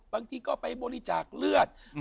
บางทีก็ไปบริจาคเลือด